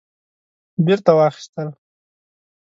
بیرته واخیستل